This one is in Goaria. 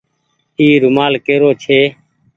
اي رومآل ڪي رو ڇي۔